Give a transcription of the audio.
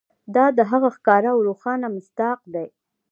دا د هغه ښکاره او روښانه مصداق دی.